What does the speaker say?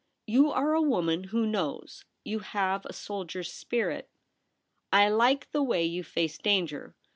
' You are a woman who knows — you have a soldier's spirit. I like the way you face danger.